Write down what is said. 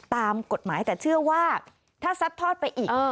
ตามกฎหมายแต่เชื่อว่าถ้าซัดทอดไปอีก